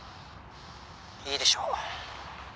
「いいでしょう」